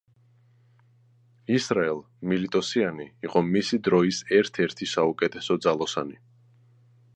ისრაელ მილიტოსიანი იყო მისი დროის ერთ-ერთი საუკეთესო ძალოსანი.